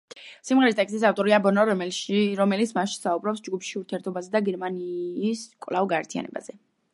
სიმღერის ტექსტის ავტორია ბონო, რომელიც მასში საუბრობს ჯგუფში ურთიერთობებზე და გერმანიის კვლავ გაერთიანებაზე.